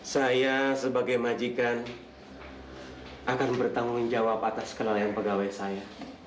saya sebagai majikan akan bertanggung jawab atas kelalaian pegawai saya